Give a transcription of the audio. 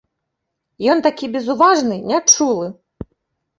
Ён такі безуважны, нячулы.